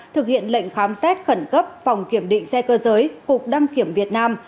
thực hiện lệnh khám xét khẩn cấp phòng kiểm định xe cơ giới cục đăng kiểm việt nam